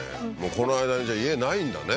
この間にじゃあ家ないんだね